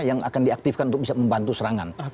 yang akan diaktifkan untuk bisa membantu serangan